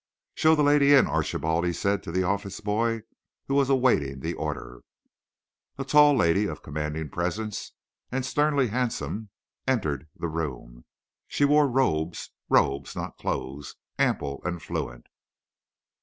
"Show the lady in, Archibald," he said to the office boy, who was awaiting the order. A tall lady, of commanding presence and sternly handsome, entered the room. She wore robes—robes; not clothes—ample and fluent.